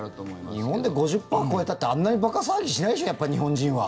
日本で５０％超えたってあんなに馬鹿騒ぎしないでしょ